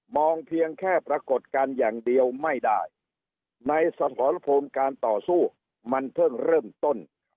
เพียงแค่ปรากฏการณ์อย่างเดียวไม่ได้ในสมรภูมิการต่อสู้มันเพิ่งเริ่มต้น